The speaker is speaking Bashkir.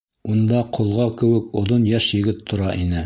Унда ҡолға кеүек оҙон йәш егет тора ине.